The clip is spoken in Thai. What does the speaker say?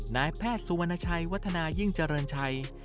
นายแพทย์สุวรรณชัยวัฒนายิ่งเจริญชัย